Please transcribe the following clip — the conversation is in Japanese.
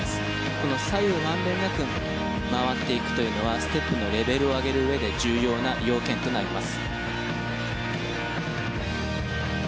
この左右満遍なく回っていくというのはステップのレベルを上げるうえで重要な要件となります。